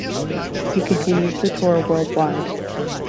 He continues to tour worldwide.